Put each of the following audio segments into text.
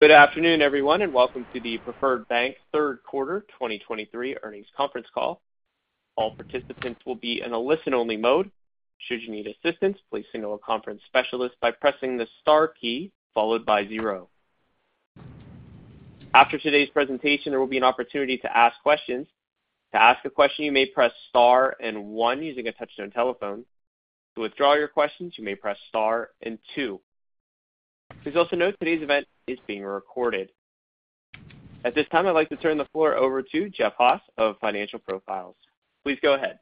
Good afternoon, everyone, and welcome to the Preferred Bank third quarter 2023 earnings conference call. All participants will be in a listen-only mode. Should you need assistance, please signal a conference specialist by pressing the star key followed by zero. After today's presentation, there will be an opportunity to ask questions. To ask a question, you may press Star and one using a touchtone telephone. To withdraw your questions, you may press Star and two. Please also note today's event is being recorded. At this time, I'd like to turn the floor over to Jeff Haas of Financial Profiles. Please go ahead.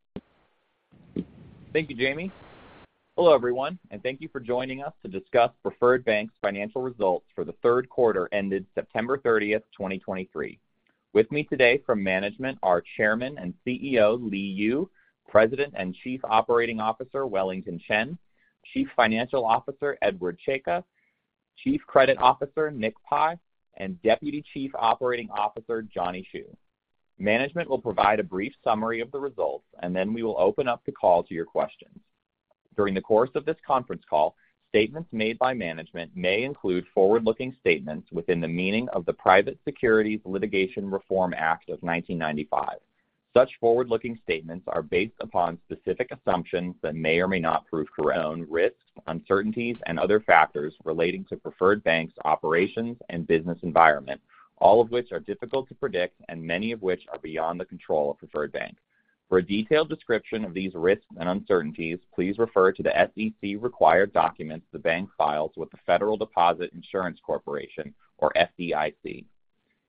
Thank you, Jamie. Hello, everyone, and thank you for joining us to discuss Preferred Bank's financial results for the third quarter ended September 30, 2023. With me today from management are Chairman and CEO, Li Yu; President and Chief Operating Officer, Wellington Chen; Chief Financial Officer, Edward J. Czajka; Chief Credit Officer, Nick Pi; and Deputy Chief Operating Officer, Johnny Hsu. Management will provide a brief summary of the results, and then we will open up the call to your questions. During the course of this conference call, statements made by management may include forward-looking statements within the meaning of the Private Securities Litigation Reform Act of 1995. Such forward-looking statements are based upon specific assumptions that may or may not prove their own risks, uncertainties, and other factors relating to Preferred Bank's operations and business environment, all of which are difficult to predict and many of which are beyond the control of Preferred Bank. For a detailed description of these risks and uncertainties, please refer to the SEC required documents the bank files with the Federal Deposit Insurance Corporation, or FDIC.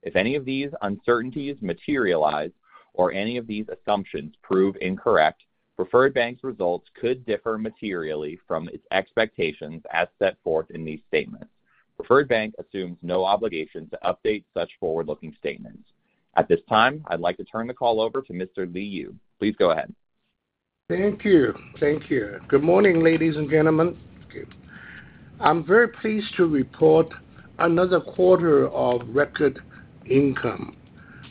If any of these uncertainties materialize or any of these assumptions prove incorrect, Preferred Bank's results could differ materially from its expectations as set forth in these statements. Preferred Bank assumes no obligation to update such forward-looking statements. At this time, I'd like to turn the call over to Mr. Li Yu. Please go ahead. Thank you. Thank you. Good morning, ladies and gentlemen. I'm very pleased to report another quarter of record income.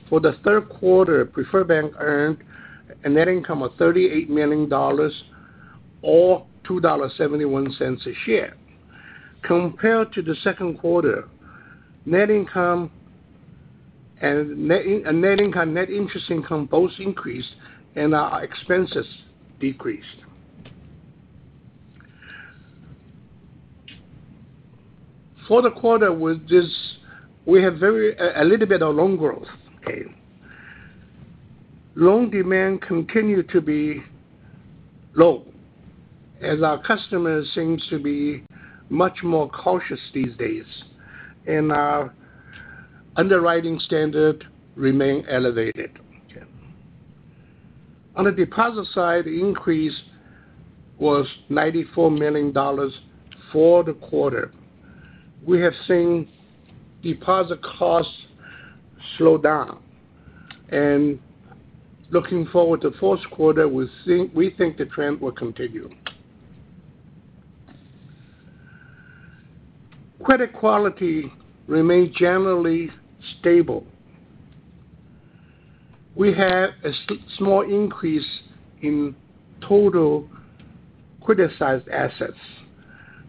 For the third quarter, Preferred Bank earned a net income of $38 million or $2.71 a share. Compared to the second quarter, net income and net interest income both increased and our expenses decreased. For the quarter, with this, we have a little bit of loan growth, okay? Loan demand continued to be low as our customers seem to be much more cautious these days, and our underwriting standards remain elevated. On the deposit side, the increase was $94 million for the quarter. We have seen deposit costs slow down, and looking forward to fourth quarter, we think the trend will continue. Credit quality remained generally stable. We had a small increase in total criticized assets,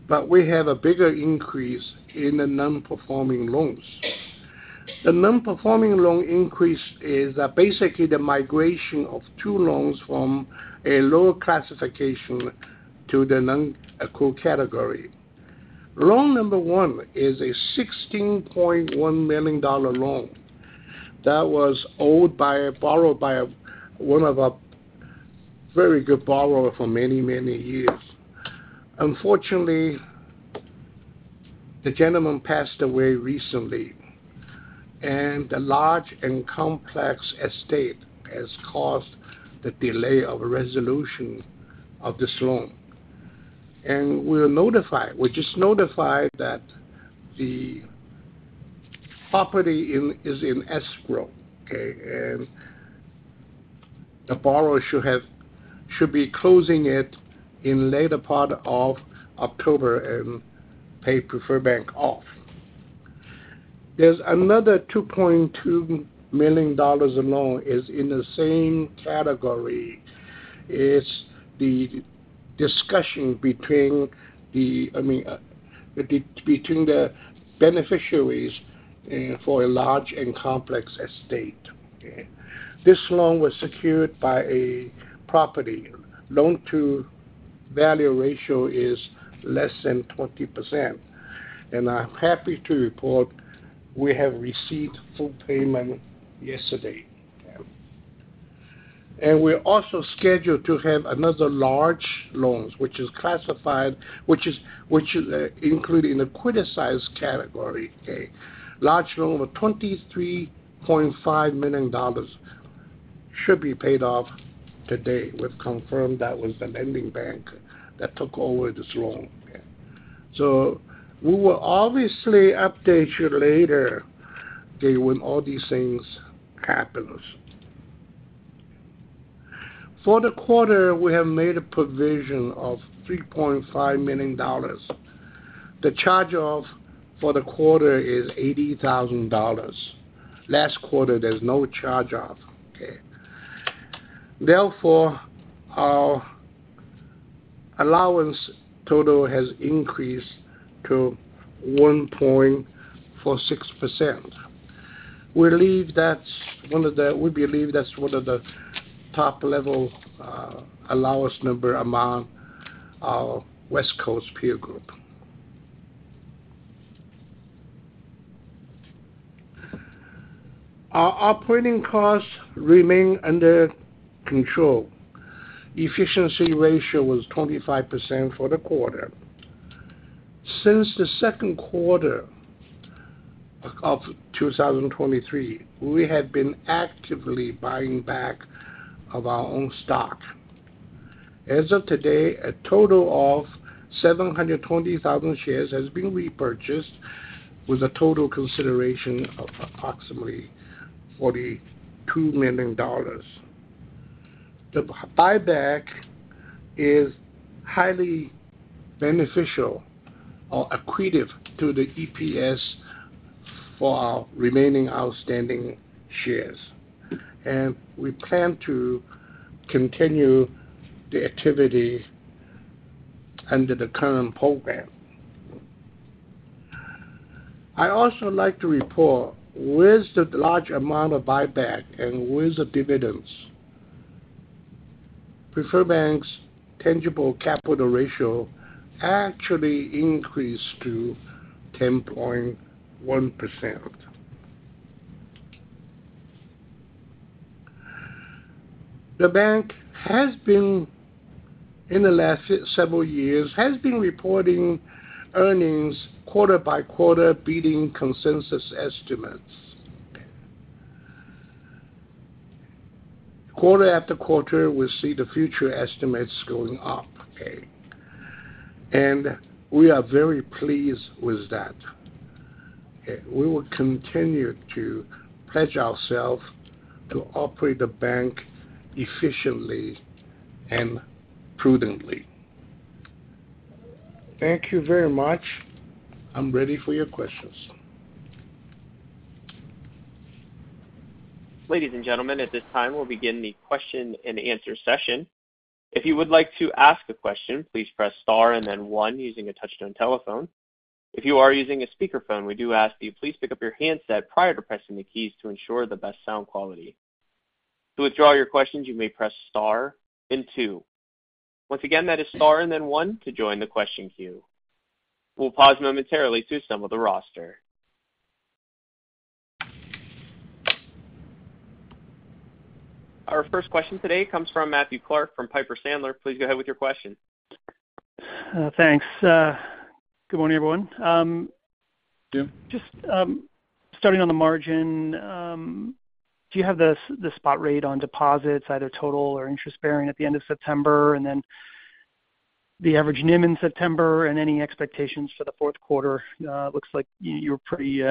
but we have a bigger increase in the non-performing loans. The non-performing loan increase is basically the migration of two loans from a lower classification to the non-core category. Loan number one is a $16.1 million loan that was borrowed by one of our very good borrowers for many, many years. Unfortunately, the gentleman passed away recently, and the large and complex estate has caused the delay of resolution of this loan. And we are notified, we just notified that the property is in escrow, okay? And the borrower should have, should be closing it in later part of October and pay Preferred Bank off. There's another $2.2 million dollars loan is in the same category. It's the discussion between the, I mean, between the beneficiaries for a large and complex estate, okay? This loan was secured by a property. Loan-to-value ratio is less than 20%, and I'm happy to report we have received full payment yesterday. We're also scheduled to have another large loans, which is classified, which is included in the criticized category. Okay. Large loan of $23.5 million should be paid off today. We've confirmed that with the lending bank that took over this loan. So we will obviously update you later, okay, when all these things happens. For the quarter, we have made a provision of $3.5 million. The charge-off for the quarter is $80,000. Last quarter, there's no charge-off, okay. Therefore, our allowance total has increased to 1.46%. We believe that's one of the top level allowance number among our West Coast peer group. Our operating costs remain under control. Efficiency ratio was 25% for the quarter. Since the second quarter of 2023, we have been actively buying back of our own stock. As of today, a total of 720,000 shares has been repurchased with a total consideration of approximately $42 million. The buyback is highly beneficial or accretive to the EPS for our remaining outstanding shares, and we plan to continue the activity under the current program. I also like to report, with the large amount of buyback and with the dividends, Preferred Bank's tangible capital ratio actually increased to 10.1%. The bank has been in the last several years reporting earnings quarter by quarter, beating consensus estimates. Quarter after quarter, we see the future estimates going up, okay? We are very pleased with that. We will continue to pledge ourselves to operate the bank efficiently and prudently. Thank you very much. I'm ready for your questions. Ladies and gentlemen, at this time, we'll begin the question-and-answer session. If you would like to ask a question, please press Star and then One using a touch-tone telephone. If you are using a speakerphone, we do ask you, please pick up your handset prior to pressing the keys to ensure the best sound quality. To withdraw your questions, you may press Star and Two. Once again, that is Star and then One to join the question queue. We'll pause momentarily to assemble the roster. Our first question today comes from Matthew Clark from Piper Sandler. Please go ahead with your question. Thanks. Good morning, everyone. Yeah. Just starting on the margin, do you have the spot rate on deposits, either total or interest-bearing, at the end of September, and then the average NIM in September, and any expectations for the fourth quarter? It looks like you're pretty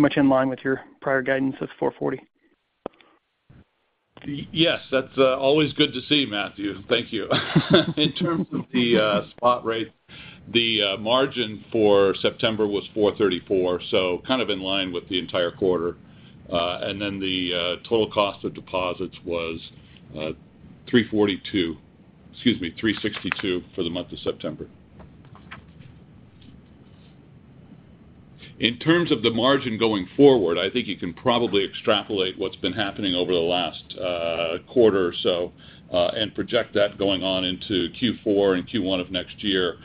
much in line with your prior guidance of 4.40. Yes, that's always good to see you, Matthew. Thank you. In terms of the spot rate, the margin for September was 4.34, so kind of in line with the entire quarter. And then the total cost of deposits was 3.42, excuse me, 3.62 for the month of September. In terms of the margin going forward, I think you can probably extrapolate what's been happening over the last quarter or so, and project that going on into Q4 and Q1 of next year.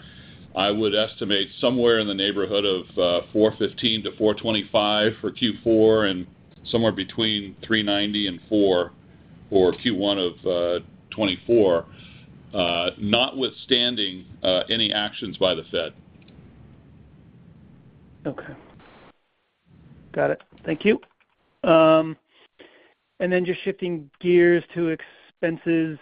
I would estimate somewhere in the neighborhood of 4.15-4.25 for Q4 and somewhere between 3.90 and 4 for Q1 of 2024, notwithstanding any actions by the Fed. Okay. Got it. Thank you. And then just shifting gears to expenses.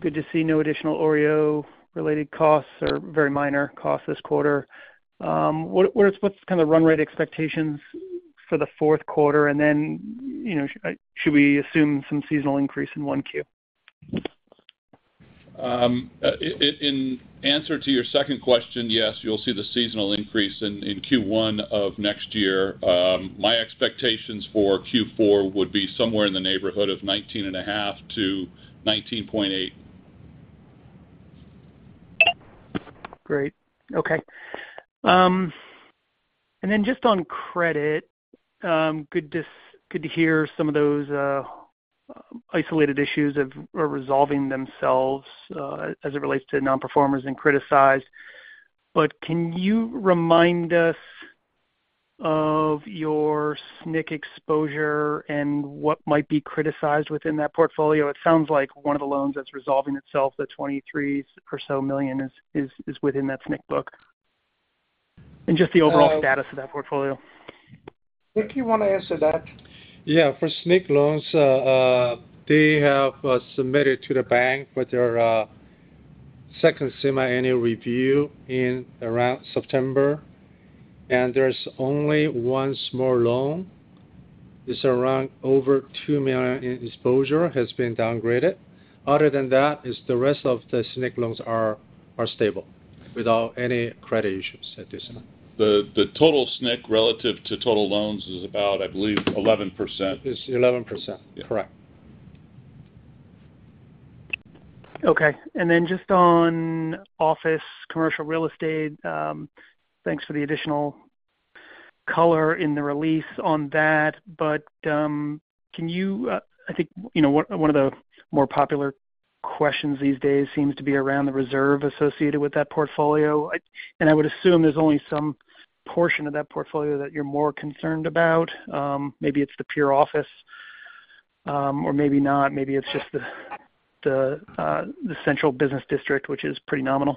Good to see no additional OREO-related costs or very minor costs this quarter. What kind of run rate expectations for the fourth quarter? And then, you know, should we assume some seasonal increase in 1Q? In answer to your second question, yes, you'll see the seasonal increase in Q1 of next year. My expectations for Q4 would be somewhere in the neighborhood of 19.5-19.8. Great. Okay. And then just on credit, good to hear some of those isolated issues are resolving themselves, as it relates to nonperformers and criticized. But can you remind us of your SNC exposure and what might be criticized within that portfolio? It sounds like one of the loans that's resolving itself, the $23 million or so, is within that SNC book, and just the overall status of that portfolio. Nick, you want to answer that? Yeah. For SNC loans, they have submitted to the bank for their second semi-annual review in around September, and there's only one small loan. It's around over $2 million in exposure has been downgraded. Other than that, is the rest of the SNC loans are stable without any credit issues at this time. The total SNC relative to total loans is about, I believe, 11%. It's 11%, correct. Okay. And then just on office commercial real estate, thanks for the additional color in the release on that. But, can you, I think, you know, one of the more popular questions these days seems to be around the reserve associated with that portfolio. And I would assume there's only some portion of that portfolio that you're more concerned about. Maybe it's the pure office, or maybe not. Maybe it's just the central business district, which is pretty nominal.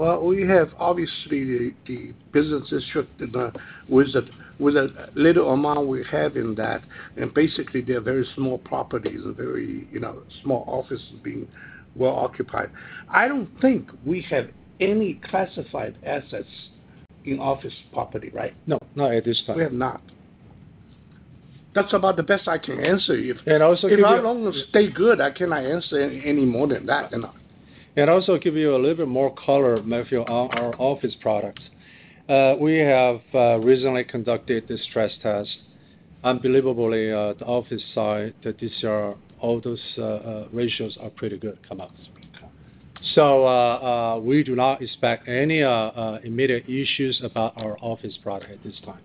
Well, we have obviously the business district in the with a little amount we have in that, and basically they are very small properties and very, you know, small offices being well occupied. I don't think we have any classified assets in office property, right? No, not at this time. We have not. That's about the best I can answer you. And also give you- If I only stay good, I cannot answer any more than that, you know. And also give you a little bit more color, Matthew, on our office products. We have recently conducted the stress test. Unbelievably, the office side, the DCR, all those ratios are pretty good come out. So, we do not expect any immediate issues about our office product at this time.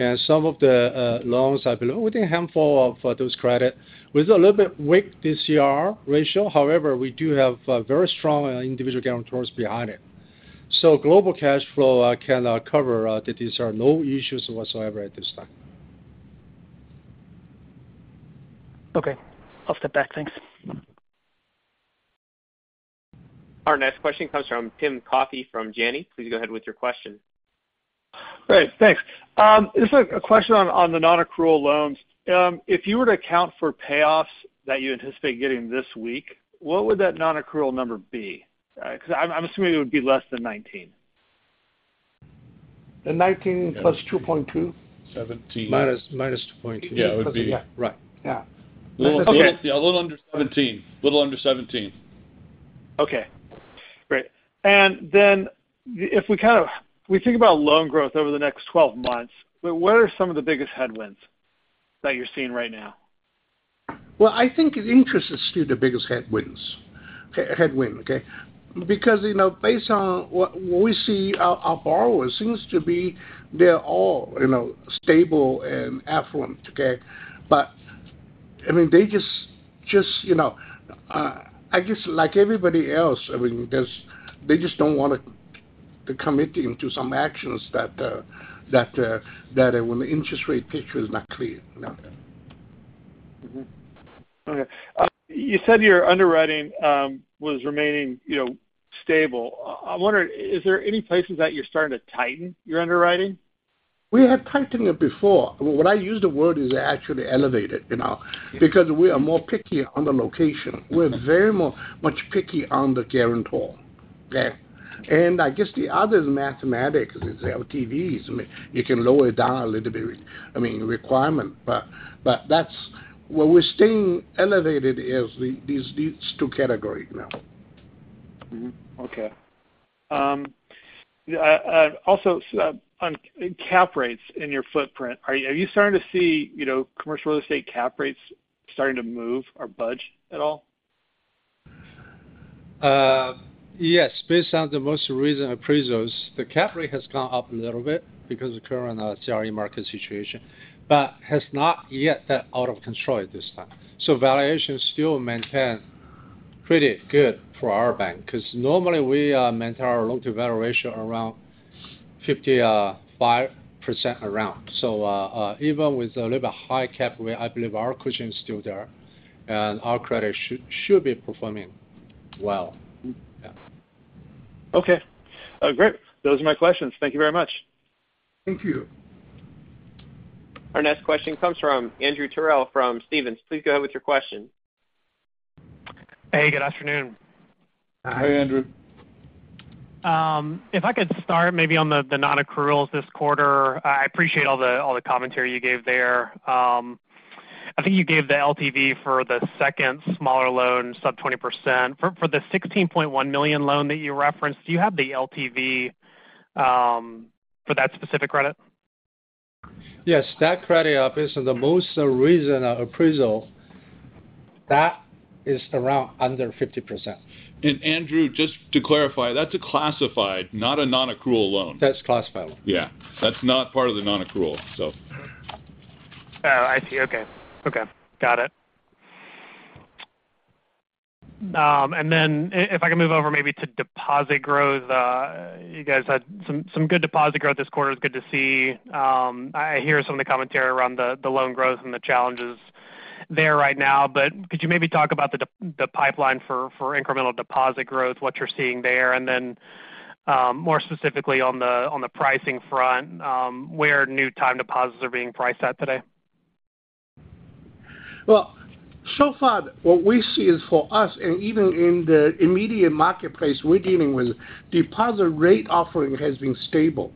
And some of the loans are below within a handful of those credit, with a little bit weak DCR ratio. However, we do have very strong individual guarantors behind it. So global cash flow can cover that these are no issues whatsoever at this time. Okay. I'll step back. Thanks. Our next question comes from Tim Coffey from Janney. Please go ahead with your question. Great, thanks. Just a question on the non-accrual loans. If you were to account for payoffs that you anticipate getting this week, what would that non-accrual number be? Because I'm assuming it would be less than 19. The 19 + 2.2. Seventeen. -2.2. Yeah, it would be- Right. Yeah. Okay. A little under 17. Little under 17. Okay, great. Then, if we kind of think about loan growth over the next 12 months, what are some of the biggest headwinds that you're seeing right now? Well, I think interest is still the biggest headwinds. Headwind, okay? Because, you know, based on what we see, our borrowers seems to be, they're all, you know, stable and affluent, okay? But, I mean, they just, you know, I guess like everybody else, I mean, there's they just don't want to commit into some actions that when the interest rate picture is not clear. Okay. You said your underwriting was remaining, you know, stable. I'm wondering, is there any places that you're starting to tighten your underwriting? We had tightened it before. What I use the word is actually elevated, you know, because we are more picky on the location. We're very more much picky on the guarantor. Okay? And I guess the other mathematics is LTVs. I mean, you can lower it down a little bit, I mean, requirement, but, but that's where we're staying elevated is the, these, these two categories now. Okay. Also, so on cap rates in your footprint, are you starting to see, you know, commercial real estate cap rates starting to move or budge at all? Yes. Based on the most recent appraisals, the cap rate has gone up a little bit because the current CRE market situation, but has not yet got out of control at this time. So valuations still maintain pretty good for our bank, because normally we maintain our loan-to-value ratio around 55% around. So, even with a little high cap rate, I believe our cushion is still there, and our credit should be performing well. Yeah. Okay. Great. Those are my questions. Thank you very much. Thank you. Our next question comes from Andrew Terrell from Stephens. Please go ahead with your question. Hey, good afternoon. Hi, Andrew. If I could start maybe on the non-accruals this quarter. I appreciate all the commentary you gave there. I think you gave the LTV for the second smaller loan, sub 20%. For the $16.1 million loan that you referenced, do you have the LTV for that specific credit? Yes. That credit office is the most recent appraisal. That is around under 50%. Andrew, just to clarify, that's a classified, not a non-accrual loan. That's classified. Yeah. That's not part of the non-accrual, so... Oh, I see. Okay. Okay, got it. And then if I can move over maybe to deposit growth. You guys had some good deposit growth this quarter. It's good to see. I hear some of the commentary around the loan growth and the challenges there right now, but could you maybe talk about the pipeline for incremental deposit growth, what you're seeing there? And then, more specifically on the pricing front, where new time deposits are being priced at today? Well, so far, what we see is for us and even in the immediate marketplace we're dealing with, deposit rate offering has been stable.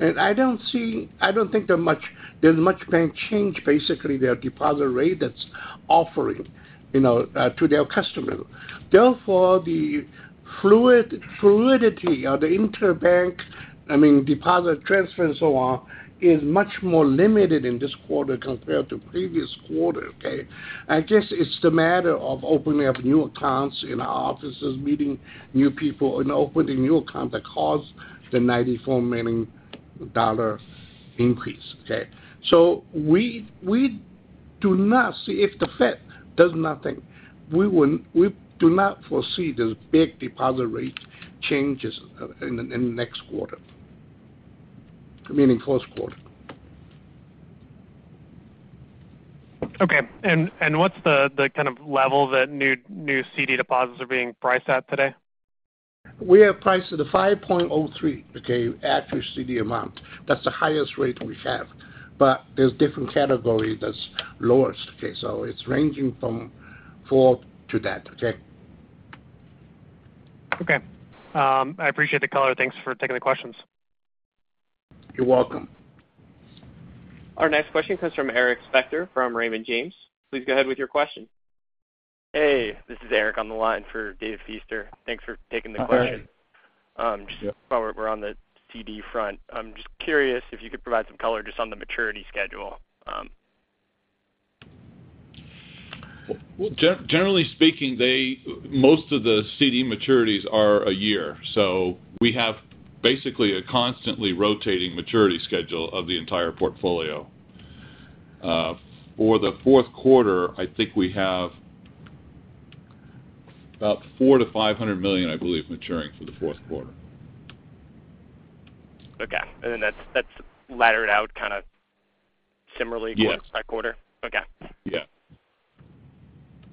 And I don't see. I don't think there's much bank change. Basically, their deposit rate that's offering, you know, to their customer. Therefore, the fluidity of the interbank, I mean, deposit transfer and so on, is much more limited in this quarter compared to previous quarter, okay? I guess it's the matter of opening up new accounts in our offices, meeting new people, and opening new accounts that cause the $94 million increase, okay? So we do not see if the Fed does nothing. We do not foresee those big deposit rate changes in the next quarter, meaning first quarter. Okay. And what's the kind of level that new CD deposits are being priced at today? We are priced at the 5.03, okay, average CD amount. That's the highest rate we have, but there's different category that's lowest, okay? So it's ranging from 4 to that, okay? Okay. I appreciate the color. Thanks for taking the questions. You're welcome. Our next question comes from Eric Spector, from Raymond James. Please go ahead with your question. Hey, this is Eric on the line for Dave Feaster. Thanks for taking the question. Just while we're on the CD front, I'm just curious if you could provide some color just on the maturity schedule? Well, generally speaking, most of the CD maturities are a year. So we have basically a constantly rotating maturity schedule of the entire portfolio. For the fourth quarter, I think we have about $400 million-$500 million, I believe, maturing for the fourth quarter. Okay. And then that's laddered out kind of similarly- Yes. to last quarter? Okay. Yeah.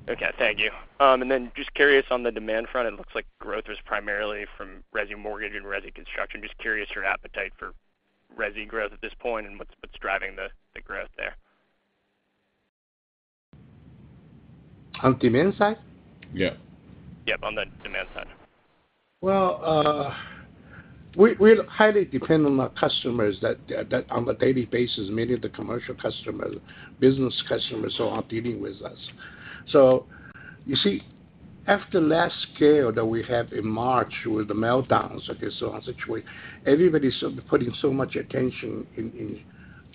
Okay, thank you. And then just curious on the demand front, it looks like growth is primarily from resi mortgage and resi construction. Just curious, your appetite for resi growth at this point, and what's driving the growth there? On demand side? Yeah. Yep, on the demand side. Well, we highly depend on our customers that on a daily basis, many of the commercial customers, business customers, so are dealing with us. So you see, after last scale that we had in March with the meltdowns, okay, so on, situation, everybody started putting so much attention in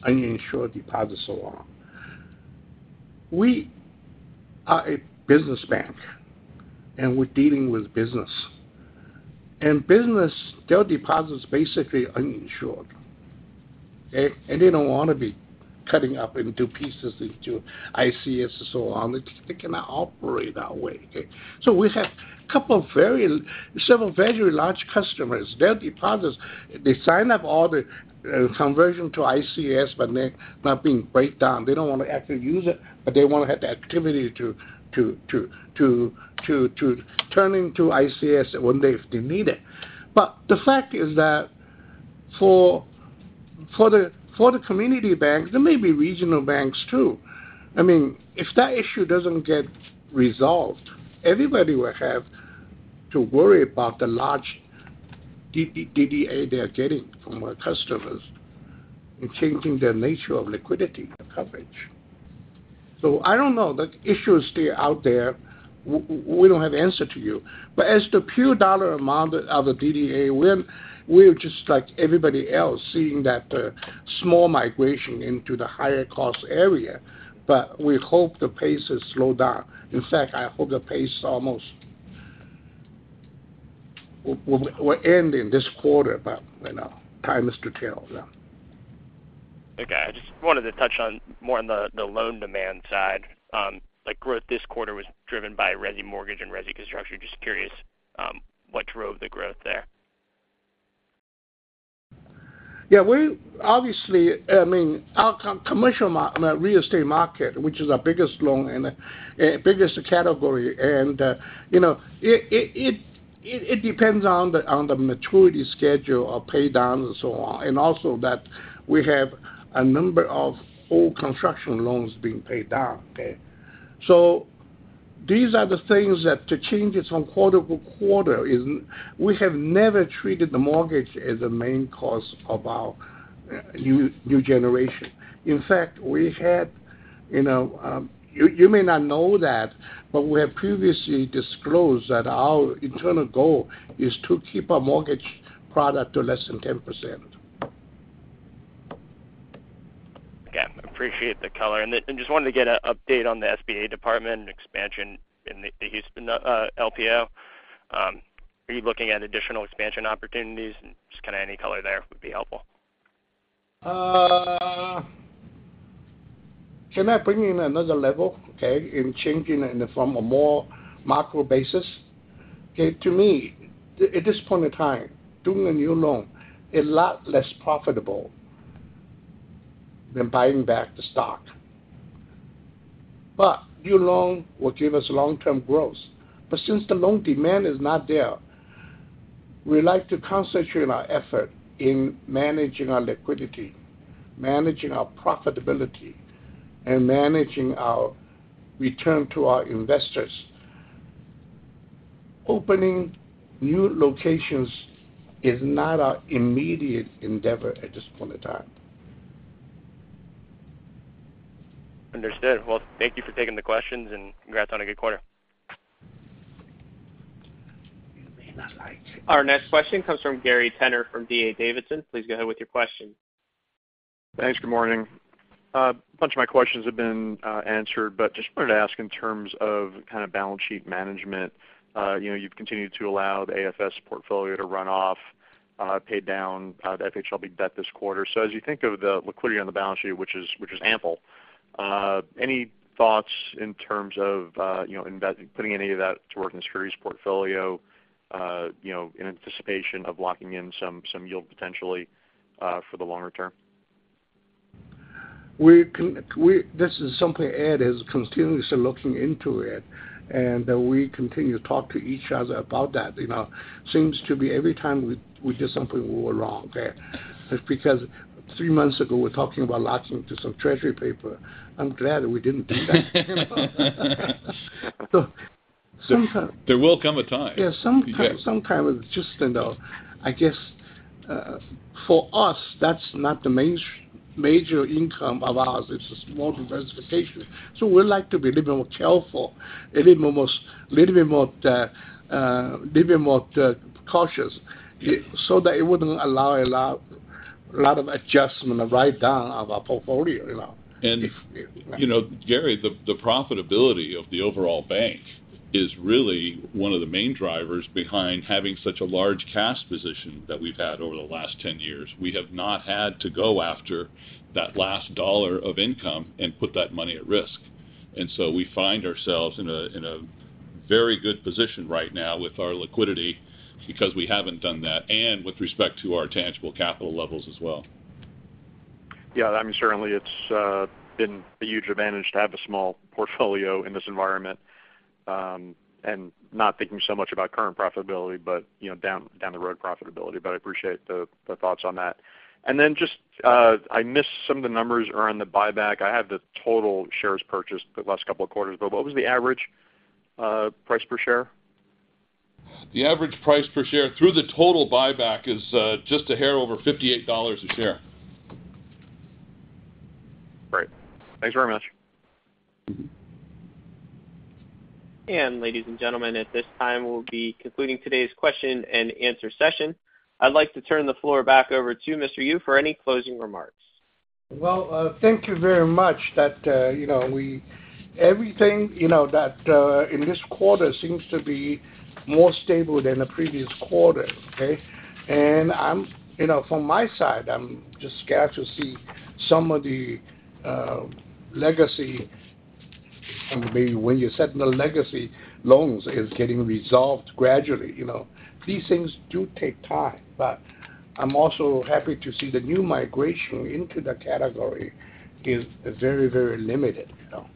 uninsured deposits, so on. We are a business bank, and we're dealing with business. And business, their deposits basically uninsured, okay? And they don't want to be cutting up into pieces into ICS and so on. They cannot operate that way, okay? So we have a couple of several very large customers. Their deposits, they sign up all the conversion to ICS, but they're not being broken down. They don't want to actually use it, but they want to have the activity to turn into ICS when they, if they need it. But the fact is that for the community banks, there may be regional banks, too. I mean, if that issue doesn't get resolved, everybody will have to worry about the large DDA they are getting from our customers and changing the nature of liquidity coverage. So I don't know. The issue is still out there. We don't have answer to you. But as the pure dollar amount of the DDA, we're just like everybody else, seeing that small migration into the higher cost area, but we hope the pace is slowed down. In fact, I hope the pace almost will end in this quarter, but, you know, time is to tell. Yeah. Okay. I just wanted to touch on more on the loan demand side. Like growth this quarter was driven by resi mortgage and resi construction. Just curious, what drove the growth there? Yeah, we obviously, I mean, our commercial real estate market, which is our biggest loan and, biggest category, and, you know, it depends on the maturity schedule of pay down and so on, and also that we have a number of old construction loans being paid down, okay? So these are the things that the changes from quarter to quarter is... We have never treated the mortgage as a main cause of our new generation. In fact, we had, you know, you may not know that, but we have previously disclosed that our internal goal is to keep our mortgage product to less than 10%. Yeah, I appreciate the color. Then, I just wanted to get an update on the SBA department and expansion in the Houston LPO. Are you looking at additional expansion opportunities? And just kind of any color there would be helpful. Can I bring in another level, okay, in changing it from a more macro basis? Okay, to me, at this point in time, doing a new loan, a lot less profitable than buying back the stock. But new loan will give us long-term growth. But since the loan demand is not there, we like to concentrate our effort in managing our liquidity, managing our profitability, and managing our return to our investors... opening new locations is not our immediate endeavor at this point of time. Understood. Well, thank you for taking the questions, and congrats on a good quarter. You may not like- Our next question comes from Gary Tenner from D.A. Davidson. Please go ahead with your question. Thanks. Good morning. A bunch of my questions have been answered, but just wanted to ask in terms of kind of balance sheet management, you know, you've continued to allow the AFS portfolio to run off, pay down the FHLB debt this quarter. So as you think of the liquidity on the balance sheet, which is ample, any thoughts in terms of, you know, putting any of that to work in the securities portfolio, you know, in anticipation of locking in some yield potentially for the longer term? We, this is something Ed is continuously looking into it, and we continue to talk to each other about that, you know. Seems to be every time we do something, we were wrong, okay? Because three months ago, we're talking about locking into some Treasury paper. I'm glad we didn't do that. There will come a time. Yeah, sometimes, it just, you know... I guess, for us, that's not the major income of ours, it's a small diversification. So we like to be a little bit more careful, a little bit more cautious, so that it wouldn't allow a lot of adjustment, a write-down of our portfolio, you know? You know, Gary, the profitability of the overall bank is really one of the main drivers behind having such a large cash position that we've had over the last 10 years. We have not had to go after that last dollar of income and put that money at risk. And so we find ourselves in a very good position right now with our liquidity because we haven't done that, and with respect to our tangible capital levels as well. Yeah, I mean, certainly it's been a huge advantage to have a small portfolio in this environment, and not thinking so much about current profitability, but, you know, down, down the road profitability. But I appreciate the, the thoughts on that. And then just, I missed some of the numbers around the buyback. I have the total shares purchased the last couple of quarters, but what was the average, price per share? The average price per share through the total buyback is just a hair over $58 a share. Great. Thanks very much. Ladies and gentlemen, at this time, we'll be concluding today's question-and-answer session. I'd like to turn the floor back over to Mr. Yu for any closing remarks. Well, thank you very much. That, you know, everything, you know, that in this quarter seems to be more stable than the previous quarter, okay? And I'm, you know, from my side, I'm just glad to see some of the legacy, and maybe when you said the legacy loans is getting resolved gradually, you know. These things do take time, but I'm also happy to see the new migration into the category is very, very limited, you know.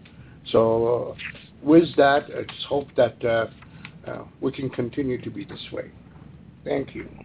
So with that, I just hope that we can continue to be this way. Thank you.